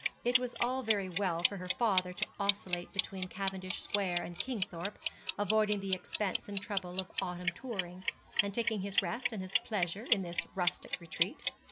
It was all very well for her father to oscillate between Cavendish Square and Kingthorpe, avoiding the expense and trouble of autumn touring, and taking his rest and his pleasure in this rustic retreat.